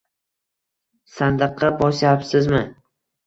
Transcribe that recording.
Sandiqqa bosyapsizmi?